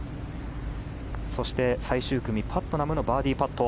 そして、最終組パットナムのバーディーパット。